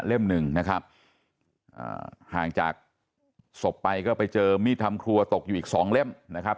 หนึ่งนะครับห่างจากศพไปก็ไปเจอมีดทำครัวตกอยู่อีกสองเล่มนะครับ